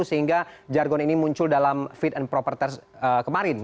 sehingga jargon ini muncul dalam fit and proper test kemarin